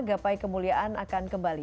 gapai kemuliaan akan kembali